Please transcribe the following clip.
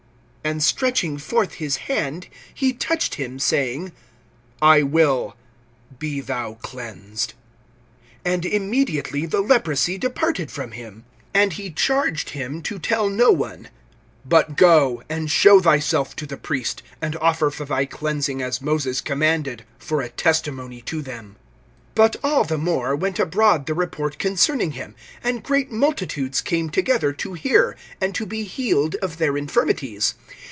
(13)And stretching forth his hand he touched him, saying: I will; be thou cleansed. And immediately the leprosy departed from him. (14)And he charged him to tell no one: But go, and show thyself to the priest, and offer for thy cleansing as Moses commanded, for a testimony to them. (15)But all the more went abroad the report concerning him; and great multitudes came together to hear, and to be healed of their infirmities.